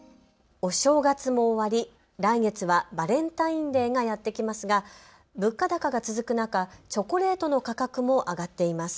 お正月も終わり、来月はバレンタインデーがやってきますが物価高が続く中、チョコレートの価格も上がっています。